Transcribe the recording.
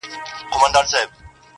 وچ لانده بوټي يې ټوله سوځوله!!